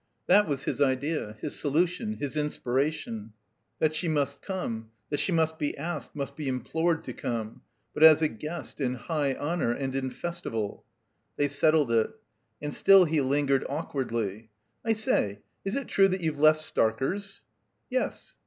That was his idea, his solution, his inspiration; that she must come; that she must be asked, must be implored to come ; but as a guest, in high honor, and in festival. They settled it. And still he lingered awkwardly. "I say — is it true that youVe left Starker's?" "Yes."